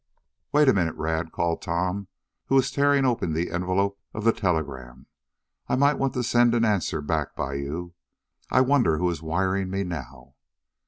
"Wait a minute, Rad," called Tom, who was tearing open the envelope of the telegram. "I might want to send an answer back by you. I wonder who is wiring me now?"